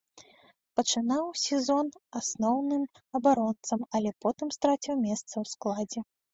Пачынаў сезон асноўным абаронцам, але потым страціў месца ў складзе.